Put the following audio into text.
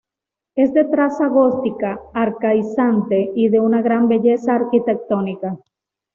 Es de traza gótica arcaizante y de una gran belleza arquitectónica.